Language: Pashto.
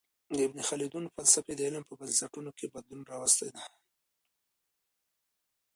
د ابن خلدون فلسفې د علم په بنسټونو کي بدلون راوستی دی.